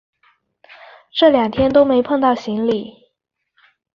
这两天都没碰到行李